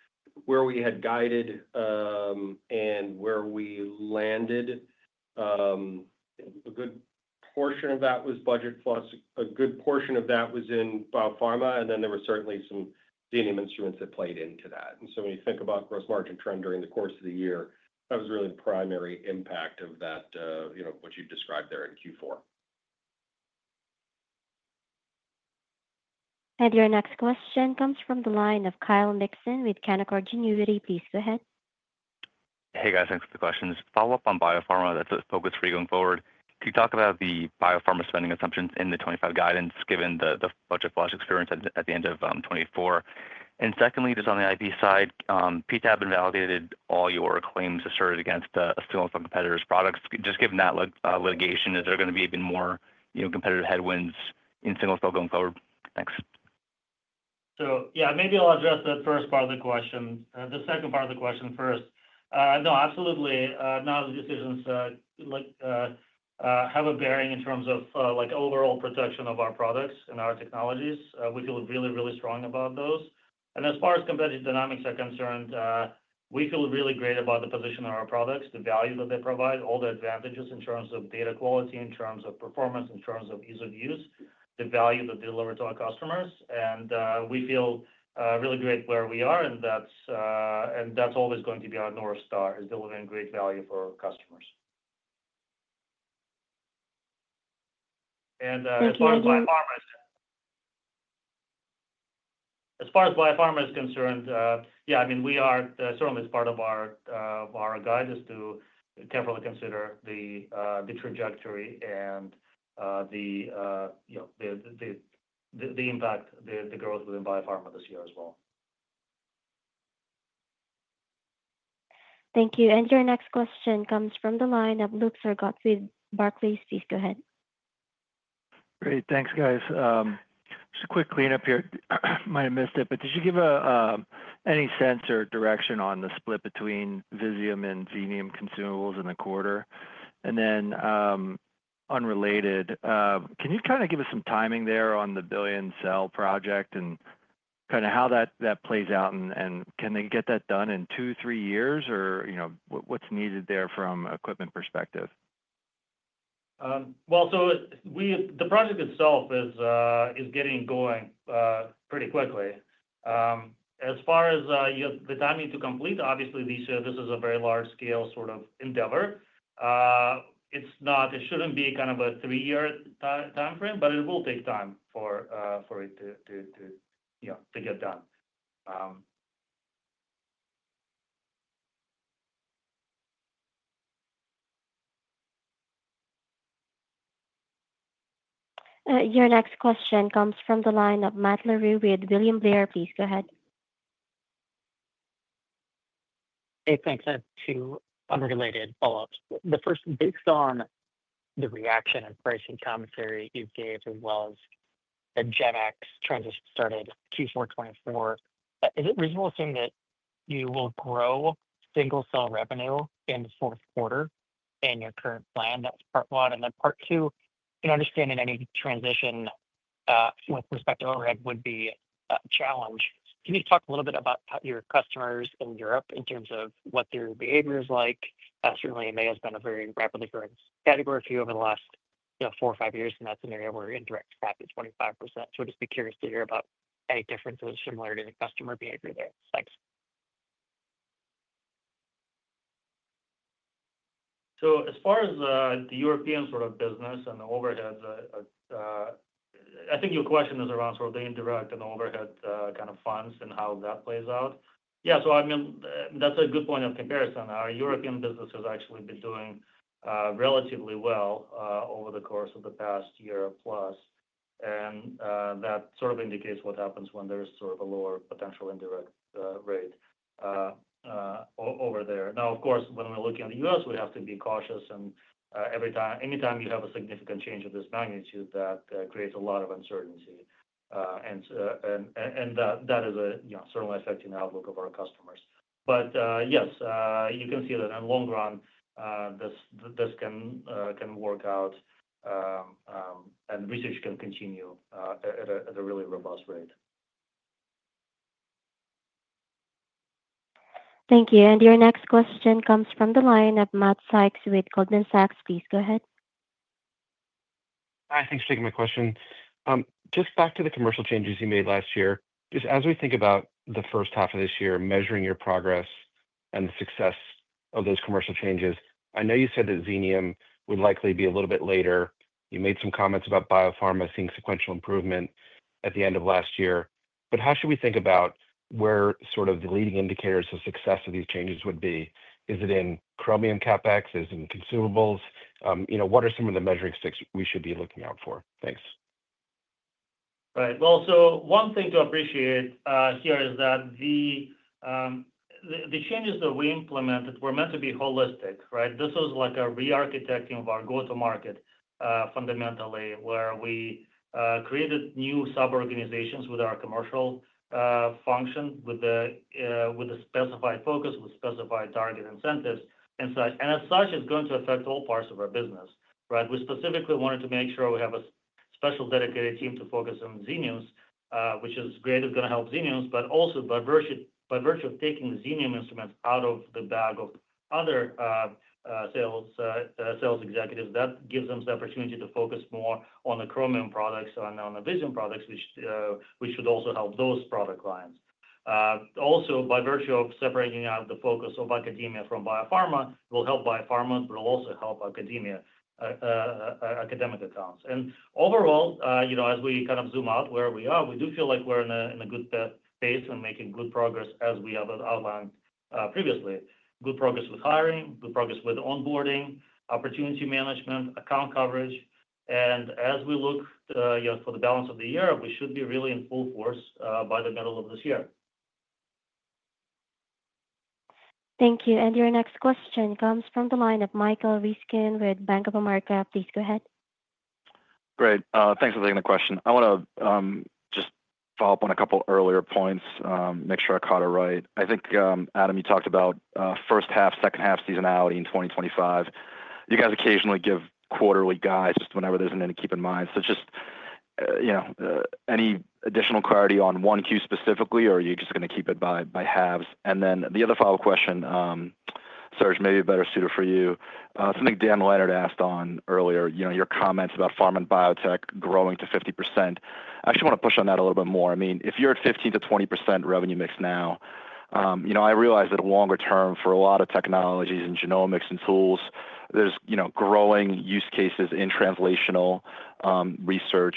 where we had guided and where we landed, a good portion of that was budget flush, a good portion of that was in biopharma. And then there were certainly some Xenium instruments that played into that. And so when you think about gross margin trend during the course of the year, that was really the primary impact of what you described there in Q4. And your next question comes from the line of Kyle Mikson with Canaccord Genuity. Please go ahead. Hey, guys. Thanks for the questions. Follow-up on biopharma, that's a focus for you going forward. Can you talk about the biopharma spending assumptions in the 2025 guidance given the budget flush experience at the end of 2024? And secondly, just on the IP side, PTAB invalidated all your claims asserted against single-cell competitors' products. Just given that litigation, is there going to be even more competitive headwinds in single-cell going forward? Thanks. So yeah, maybe I'll address that first part of the question. The second part of the question first. No, absolutely. Now, the decisions have a bearing in terms of overall protection of our products and our technologies. We feel really, really strong about those. And as far as competitive dynamics are concerned, we feel really great about the position of our products, the value that they provide, all the advantages in terms of data quality, in terms of performance, in terms of ease of use, the value that they deliver to our customers. And we feel really great where we are, and that's always going to be our North Star, is delivering great value for our customers. As far as biopharma is concerned, yeah, I mean, we are certainly part of our guide is to carefully consider the trajectory and the impact, the growth within biopharma this year as well. Thank you. And your next question comes from the line of Luke Sergott with Barclays. Please go ahead. Great. Thanks, guys. Just a quick cleanup here. I might have missed it, but did you give any sense or direction on the split between Visium and Xenium consumables in the quarter? And then unrelated, can you kind of give us some timing there on the billion-cell project and kind of how that plays out, and can they get that done in two, three years, or what's needed there from an equipment perspective? Well, so the project itself is getting going pretty quickly. As far as the timing to complete, obviously, this is a very large-scale sort of endeavor. It shouldn't be kind of a three-year time frame, but it will take time for it to get done. Your next question comes from the line of Matt Larew with William Blair. Please go ahead. Hey, thanks. Two unrelated follow-ups. The first, based on the reaction and pricing commentary you gave as well as the GEM-X transition started Q4 2024, is it reasonable to assume that you will grow single-cell revenue in the fourth quarter and your current plan? That's part one. And then part two, in understanding any transition with respect to overhead would be a challenge. Can you talk a little bit about your customers in Europe in terms of what their behavior is like? Certainly, it may have been a very rapidly growing category for you over the last four or five years, and that's an area where indirect cap is 25%. So I'd just be curious to hear about any differences or similarity in customer behavior there. Thanks. So as far as the European sort of business and the overheads, I think your question is around sort of the indirect and the overhead kind of funds and how that plays out. Yeah. So I mean, that's a good point of comparison. Our European business has actually been doing relatively well over the course of the past year or plus. And that sort of indicates what happens when there's sort of a lower potential indirect rate over there. Now, of course, when we're looking at the U.S., we have to be cautious. And anytime you have a significant change of this magnitude, that creates a lot of uncertainty. And that is certainly affecting the outlook of our customers. But yes, you can see that in the long run, this can work out, and research can continue at a really robust rate. Thank you. And your next question comes from the line of Matt Sykes with Goldman Sachs. Please go ahead. Hi. Thanks for taking my question. Just back to the commercial changes you made last year. Just as we think about the first half of this year, measuring your progress and the success of those commercial changes, I know you said that Xenium would likely be a little bit later. You made some comments about biopharma seeing sequential improvement at the end of last year. But how should we think about where sort of the leading indicators of success of these changes would be? Is it in Chromium CapEx? Is it in consumables? What are some of the measuring sticks we should be looking out for? Thanks. Right. Well, so one thing to appreciate here is that the changes that we implemented were meant to be holistic, right? This was like a re-architecting of our go-to-market fundamentally, where we created new sub-organizations with our commercial function, with a specified focus, with specified target incentives. And as such, it's going to affect all parts of our business, right? We specifically wanted to make sure we have a special dedicated team to focus on Xeniums, which is great. It's going to help Xeniums, but also by virtue of taking Xenium instruments out of the bag of other sales executives, that gives them the opportunity to focus more on the Chromium products and on the Visium products, which should also help those product lines. Also, by virtue of separating out the focus of academia from biopharma, it will help biopharma, but it'll also help academic accounts. Overall, as we kind of zoom out where we are, we do feel like we're in a good space and making good progress, as we have outlined previously. Good progress with hiring, good progress with onboarding, opportunity management, account coverage. As we look for the balance of the year, we should be really in full force by the middle of this year. Thank you. And your next question comes from the line of Michael Ryskin with Bank of America. Please go ahead. Great. Thanks for taking the question. I want to just follow up on a couple of earlier points, make sure I caught it right. I think, Adam, you talked about first half, second half seasonality in 2025. You guys occasionally give quarterly guides just whenever there's a trend to keep in mind. So just any additional clarity on 1Q specifically, or are you just going to keep it by halves? And then the other follow-up question, Serge, maybe better suited for you. Something Dan Leonard asked on earlier, your comments about pharma and biotech growing to 50%. I actually want to push on that a little bit more. I mean, if you're at 15%-20% revenue mix now, I realize that longer term for a lot of technologies and genomics and tools, there's growing use cases in translational research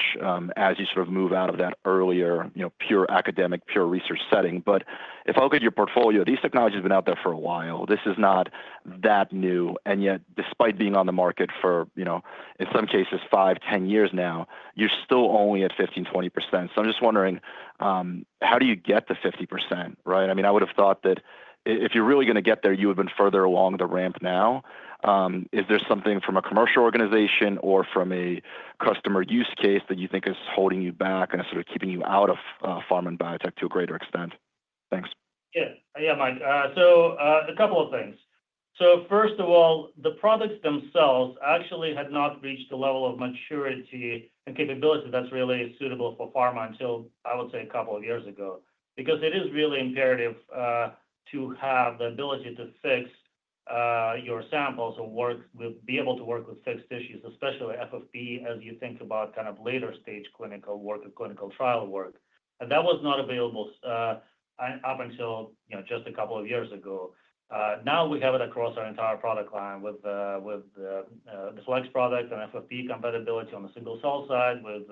as you sort of move out of that earlier pure academic, pure research setting. But if I look at your portfolio, these technologies have been out there for a while. This is not that new. And yet, despite being on the market for, in some cases, five, 10 years now, you're still only at 15%-20%. So I'm just wondering, how do you get to 50%, right? I mean, I would have thought that if you're really going to get there, you would have been further along the ramp now. Is there something from a commercial organization or from a customer use case that you think is holding you back and sort of keeping you out of pharma and biotech to a greater extent? Thanks. Yeah. Yeah, Mike. So a couple of things. So first of all, the products themselves actually had not reached the level of maturity and capability that's really suitable for pharma until, I would say, a couple of years ago. Because it is really imperative to have the ability to fix your samples or be able to work with fixed tissues, especially FFPE, as you think about kind of later-stage clinical work or clinical trial work. And that was not available up until just a couple of years ago. Now we have it across our entire product line with the Flex product and FFPE compatibility on the single-cell side with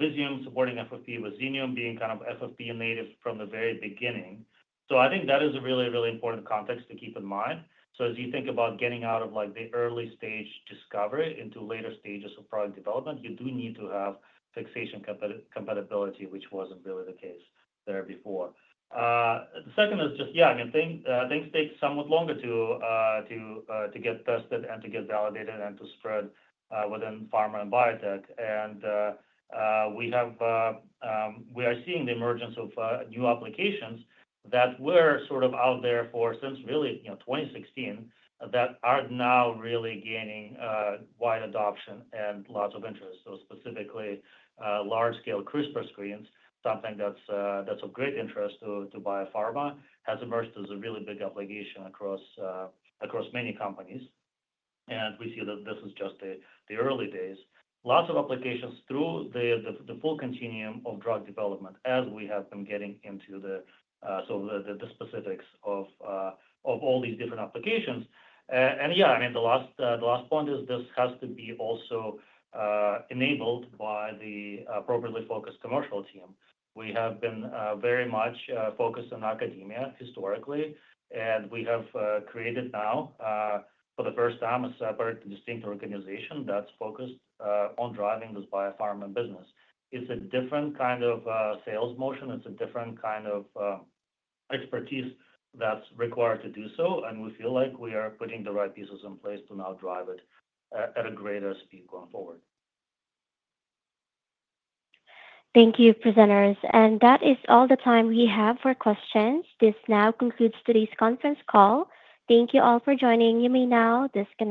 Visium supporting FFPE, with Xenium being kind of FFPE native from the very beginning. So I think that is a really, really important context to keep in mind. So as you think about getting out of the early-stage discovery into later stages of product development, you do need to have fixation compatibility, which wasn't really the case there before. The second is just, yeah, I mean, things take somewhat longer to get tested and to get validated and to spread within pharma and biotech. And we are seeing the emergence of new applications that were sort of out there for since really 2016 that are now really gaining wide adoption and lots of interest. So specifically, large-scale CRISPR screens, something that's of great interest to biopharma, has emerged as a really big obligation across many companies. And we see that this is just the early days. Lots of applications through the full continuum of drug development as we have been getting into the specifics of all these different applications. And yeah, I mean, the last point is this has to be also enabled by the appropriately focused commercial team. We have been very much focused on academia historically, and we have created now, for the first time, a separate distinct organization that's focused on driving this biopharma business. It's a different kind of sales motion. It's a different kind of expertise that's required to do so. And we feel like we are putting the right pieces in place to now drive it at a greater speed going forward. Thank you, presenters. That is all the time we have for questions. This now concludes today's conference call. Thank you all for joining. You may now disconnect.